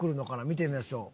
見てみましょう。